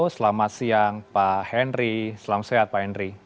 selamat siang pak henry selamat sehat pak henry